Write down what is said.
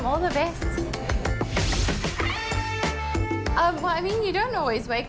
ไม่ง่ายและฉันขอขอบคุณทุกคนสำคัญ